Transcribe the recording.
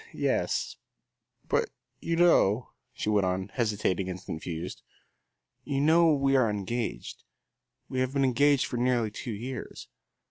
"Yes, but you know," she went on, hesitating and confused, "you know we are engaged. We have been engaged for nearly two years."